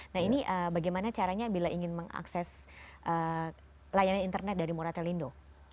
nah ini bagaimana caranya bila ingin mengakses layanan internet dari moratelindo